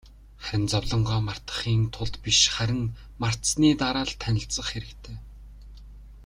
Харин зовлонгоо мартахын тулд биш, харин мартсаны дараа л танилцах хэрэгтэй.